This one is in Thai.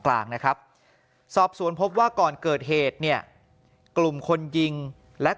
กลางนะครับสอบสวนพบว่าก่อนเกิดเหตุเนี่ยกลุ่มคนยิงและ